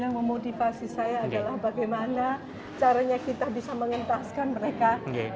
yang memotivasi saya adalah bagaimana caranya kita bisa mengentaskan mereka